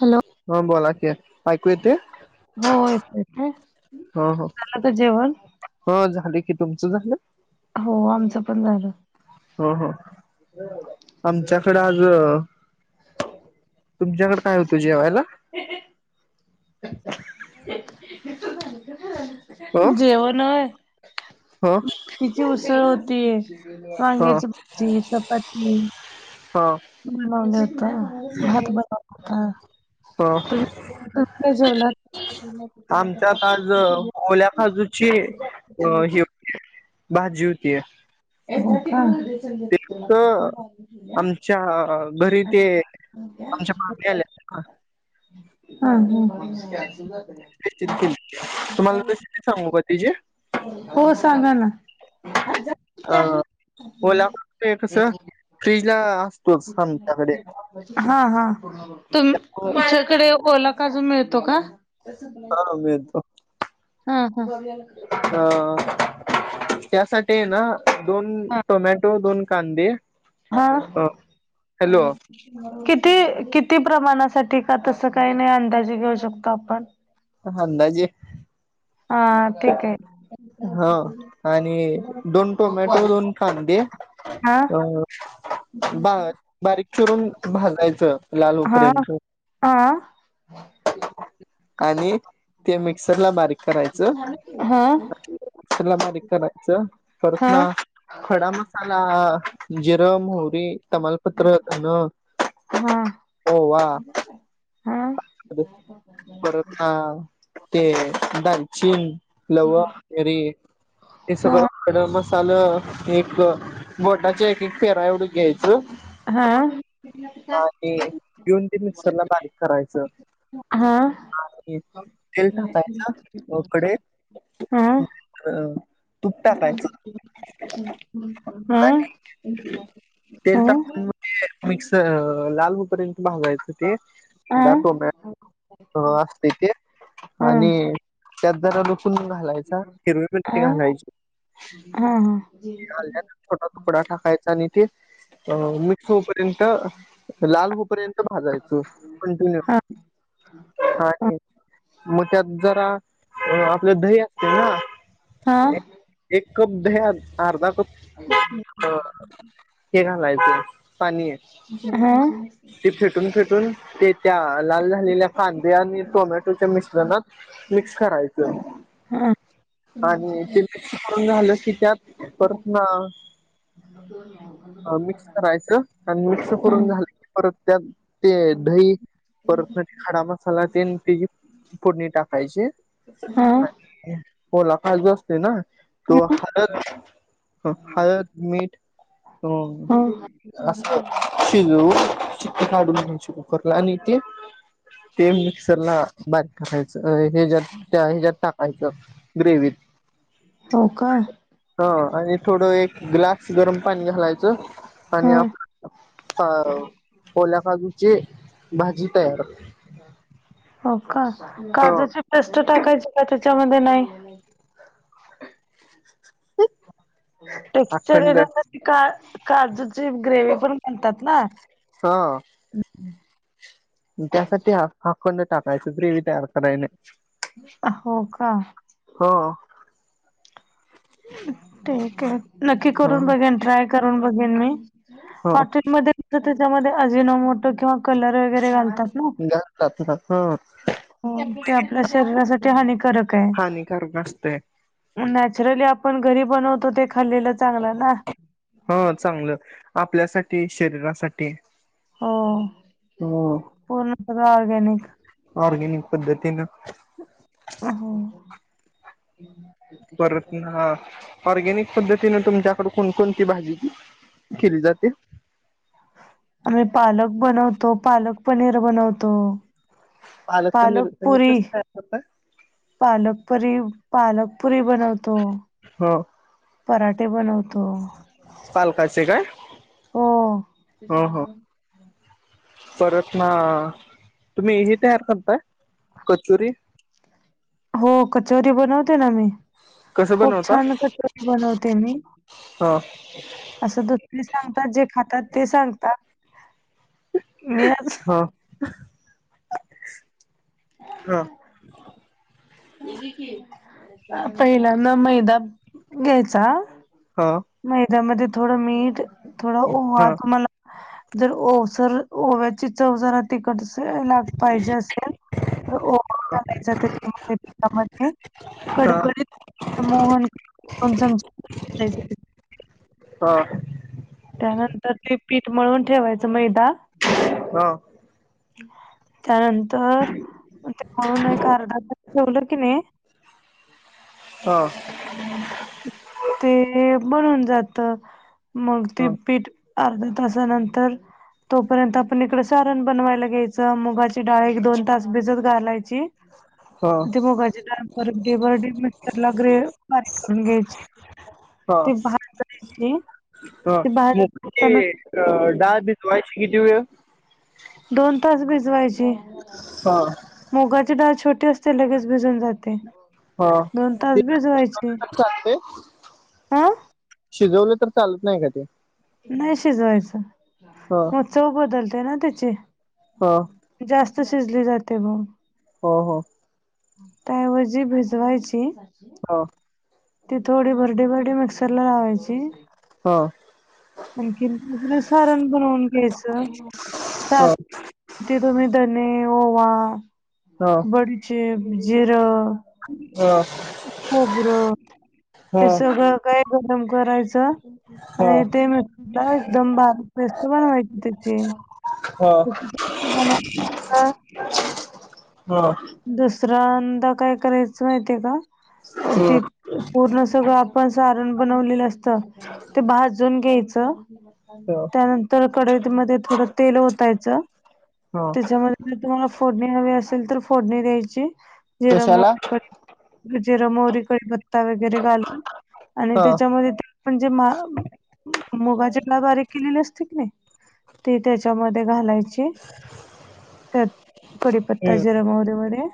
Hello ma'am बोला की ऐकू येते हो येत येतय झालं तर जेवण हो झाले की तुमच झालं हो आमचं पण झालं. हो हो आमच्याकड आज तुमच्याकड काय होत जेवायला [unintelligible] जेवणं होय हा तिची उसळ होती ह वांग्याची भाजी चपाती हां [unintelligible] भात पण होता ह तुम्ही काय काय जेवलात आमच्यात आज ओल्या काजूची अ ही हो भाजी होती. हो का च्या घरी ते आमच्या मामी आल्या हा ह केली तुम्हाला रेसिपी सांगू का तिची ह हो सांगा ना [unintelligible] अ ओला [unintelligible] कस फ्रीजला असतोच हंम हा हा तुम च्या कडे ओला काजू मिळतो का? हा मिळतो. हा हा अ त्यासाठी ये ना दोन टोमॅटो दोन कांदे हा अ हॅलो किती किती प्रमाणासाठी का तस काय नाही अंदाजे घेऊ शकतो आपण अंदाजे हा ठीक हाय. हो आणि दोन टोमॅटो दोन कांदे हा अ बा बारीक चिरून भाजायचं लाल होऊ पर्यत आ. आणि ते मिक्सर ला बारीक करायचं हा ला बारीक कराय करायच परत हा मग खडा म ला अ जिर मोहरी तमालपत्र धन हा हा. परत अ ते दालचीन लवंग मीरी हे सगळं खड मसाला एक बोटाच्या एक एक फेरा एवढं घ्यायचं. हा. आणि घेऊनऊन ते मिक्सरला बारीक करायचं. हा हा तेल टाकायच कढईत अअ हअ आणि तेल हअ. टाकून मिक्स अ लाल होई पर्यंत भाजायचं ते आ आ दाखव म हो असतय ते आणि त्यात जरा लुसून घालायचा हिरवी आ मिरची घालायची. हा हा. आल्याचा छोटा तुकडा टाकायचा आणि ते अ मिक्स होई पर्यंत लाल होई पर्यंत भाजायच कंटिन्यू हा ह मग त्यात जरा आपलं दही असते ना हा. एक कप दह्यात अर्धा कप ह [unintelligible] हो हे घालायचं पाणीये. हा. ते फेटून फेटून ते त्या लाल झालेल्या कांदे आणि टोमॅटोच्या मिश्रणात मिक्स करायचं. आणि ति शिजून झालं की त्यात परत ना मिक्स करायचं मिक्स करून घाल. परत त्यात ते दही परत खडा मसाला ते ति फोडणी टाकायची. हा. ओला काजू असते ना तो हळद हळद मीठ अअ ह [unintelligible] अस शिजवून शिट्टी काढून घ्यायची कुकरला आणि ते ते मिक्सरला बारीक करायच हे ज्यात त्या हे ज्यात टाकायचं. ग्रेवीत चव का हा आणि थोडं एक ग्लास गरम पाणी घालायचं आणि हा अ ओल्या काजूची भाजी तयार हो का ह काजूची पेस्ट टाकायची का त्याच्यामध्ये नाही? टेक्चर अखंड येण्यासाठी का काजूची ग्रेवी पण म्हणतात ना हा. त्यासाठी हा आखंड टाकायच ग्रेव तयार करायने हो का. हो. ठीकये नक्की हो करून बघेन ट्राय करून बघेन मी हो हॉटेलमध्ये त्याच्यामध्ये अजिनमोटो किंवा कलर वगैरे घाल घात हा [unintelligible] हो ते आपल्या शरीरासाठी हानिकारक आहे हानिकारक असतय. नॅचरली आपण घरी बनवतो ते खाल्लेलं चांगलं ना. हा चांगलं आपल्यासाठी शरीरासाठी हो ह पूर्ण सगळं ऑर्गॅनिक ऑर्गेनिक पद्धतीने अ हो. परतन ऑर्गॅनिक पद्धतीने तुमच्याकड कोणकोणती भाजी केली जाते? आम्ही पालक बनवतो, पालक पनीर बनवतो. पालक पनीर पनीर पालकपुरी कसं खायत पालकपुरी पालकपुरी बनवतो. हो पराठे बनवतो. पालकाचे काय? हो हो ह परत ना तुम्ही ह तयार करताय कचुरी. हो कचोरी बनवते ना मी कसं खूप बनवता? छान कचोरी बनवते मी. हा. असं दुध ते सांगतात जे खातात ते सांगतात. मी आज हा हा. पहिला ना मैदा घ्यायचा. हा. मैद्यामध्ये थोडं मीठ, थोडा ओवा हा तुम्हाला जर ओलसर ओव्याची चव जरा तिकड ला पाहिजे असेल तर ओवा टाकायचे त्याच्यामध्ये हा कडकडीत मोहन दोन चमचे हा. त्यानंतर ते पीठ मळून ठेवायचं मैदा. हा. हम्. त्यानंतर ते मळुन एक अर्धा ठेवलं की नाही. हा. ते बनून जात मग ते पीठ अर्धा तासानंतर तोपर्यंत आपण इकडं सारण बनवायला घ्यायचं मुगाची डाळी एक दोन तास भिजत घालायची. हा हा ते मुगाचे डान पर डे बर मितर लग्रे पारी करून घ्यायची. हा ते बाहेर जाय हा मुगाची डाळ भिजवायची किती वेळ? दोन तास भिजवायचे. हा मुगाची डाळ छोटी असते लगेच भिजून जाते. हा दोन ते तास भीजवायचे चालते हं. शिजवलं तर चालत नाही का ते? नाही शिजवायचं ह मग चव बदलते ना त्याचे. हो. जास्त शिजली जाते बघ. हो हो. त्याऐवजी भिजवायची. हा. ती थोडी भरडी भरडी मिक्सर ला लावायची. हा. आणखी आप सारण बनवून घ्यायचं ह ह सार त तुम्ही द धने, ओवा, ह ह बडीशेप, जिरं. अ खोबरं. हे सगळं काही गरम करायचं. आणि ते मिक्सरला, एकदम बारीक पेस्ट बनवायची त्याची. [unintelligible] हा. दुसऱ्यांदा काय करायचं, माहितीय का? ती पूर्ण सगळं आपण सारण बनवलेलं असतं. ते भाजून घ्यायचं. ह ह त्यानंतर, कढईतमधे थोडं तेल ओतायचं. ह त्याच्याम तुम्हाला फोडणी हवी असेल, तर फोडणी द्यायची. जिरं, कशाला मोहरी, कडीपत्ता जिरं -मोहरी, कडीपत्ता वगैरे घालून. आणि ह ह त्याच्यामध्ये म्हणजे मा, मुगाचे [unintelligible] बारिक केलेले असते की नाही ती त्याच्यामध्ये घालायची. त्यात ह ह कडीपत्ता, जिरे, मोहरी मध्ये.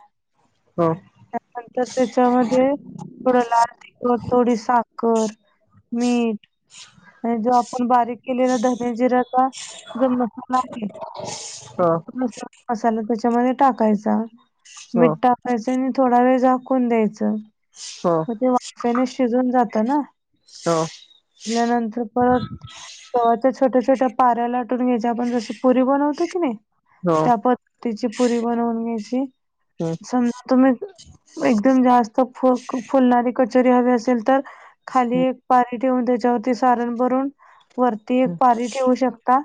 ह. त्यानंतर त्याच्यामध्ये. थोडं लाल तिखट, थोडी साखर मीठ आणि जो आपण बारीक केलेला, धनी जिरा्याचा जो मसाला आहे ह. तो मसा मसाला त्याच्यामध्ये टाकायचा. मीठ टाकायचं, आणि थोडा वेळ झाकून द्यायच. ह. मग ते, वाफेने शिजून जातं ना. हो. त्यानंतर परत, गव्हाच्या छोट्या- छोट्या पाऱ्या लाटून घ्यायच्या. आपण जशी पुरी बनवतो की नाही. त्या पद्धतीची पुरी बनवून घ्यायची. समजा तुम्ही एकदम जास्त, फु क फुलणारी कचोरी हवी असेल, तर खाली एक पारी ठेवून, त्याच्यावरती सारण भरून, वरती एक पारी ठेवू शकता.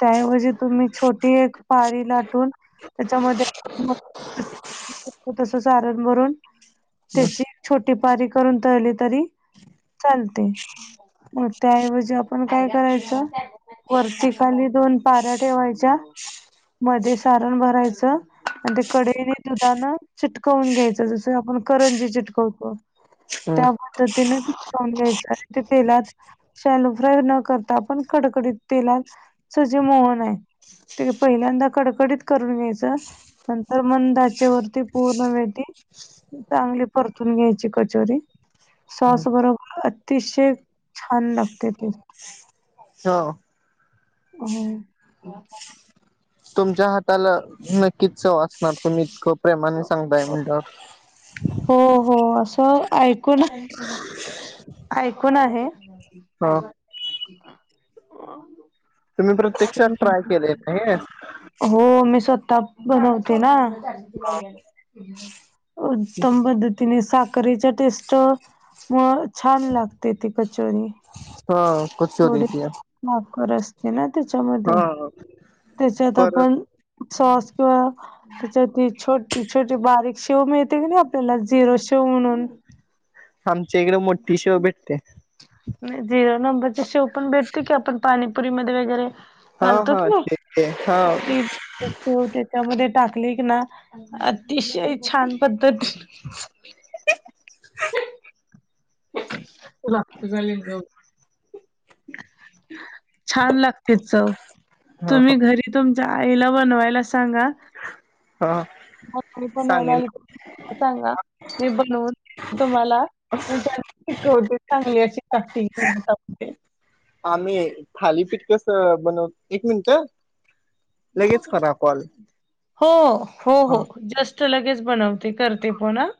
त्याऐवजी तुम्ही, छोटी एक पारी लाटून त्याच्यामध्ये [unintelligible] तसं सारण भरून त्याची छोटी पारी करून तळली तरी, चालते. हो त्याऐवजी आप पण काय करायचं, वरती -खाली दोन पाऱ्या ठेवायच्या मध्ये सारण भरायचं आणि ते कडेने दुधानं चिटकवून घ्यायचं. जसं, आपण करंजी चिटकवतो. ह ह त्या पद्धतीने चिटकवून घ्यायचं. आणि ते तेलात शॅलो फ्राय न करता, आपण कडकडीत तेलात [unintelligible] मोहनय. ते पहिल्यांदा, कडकडीत करून घ्यायचं. नंतर मंद आचेवरती, पूर्ण वेळ ती चांगली परतून घ्यायची, कचोरी. सॉस बरोबर अतिशय, छान लागते ती. हो. हं. तुमच्या हाताला, नक्कीचं चव असनार. तुम्ही इतकं प्रेमाने सांगताय म्हणल्यावर. [inaudible] हो, हो. असं, ऐकून [unintelligible] ऐकून आहे. ह अजिबात [unintelligible] तुम्ही प्रत्यक्षात ट्राय केलयं का हे. हो, मी स्वतः बनवते ना. [unintelligible] उत्तम पद्धतीने साखरीच्या टेस्ट म छान लागते ती कचोरी. ह थोड कचोरीची माफ करा असं आहेना त्याच्यामध्ये, हा त्याच्यात परत आपण सॉस किंवा त्याच्याते ती छोटी छोटी बारीक शेव मिळते की नाही, आपल्याला झिरो शेव म्हणून? आमच्या इकडे मोठी शेव भेटते. नहीं झिरो नंबरची शेव पण भेटते की, आपण पाणीपुरीमध्ये वगैरे हा चालतो कि हा ते ते हा नाही? हम्म. तू त्याच्यामध्ये टाकले की ना, अतिशय छान पद्धती ह [unintelligible] [unintelligible] छान लागते चव. हा तुम्ही घरी तुमच्या आईला बनवायला सांगा. हा मी बनवाला [unintelligible] सांगेन आली सांगा मी बनवून तुम्हाला. म त्यां शिकवते चांगली अशी काती [unintelligible] घेऊ आम्ही थालीपीठ कस बनव, एक मिनिट लगेच करा कॉल. हो हो हो हा जस्ट लगेच बनवते, करते फोन हं.